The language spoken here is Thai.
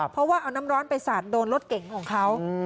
เพราะว่าเอาน้ำร้อนไปสาดโดนรถเก่งของเขา